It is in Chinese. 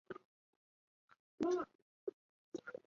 巴丹蜗为南亚蜗牛科班卡拉蜗牛属下的一个种。